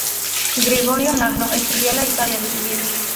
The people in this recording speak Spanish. Gregorio Magno escribió la historia de su vida.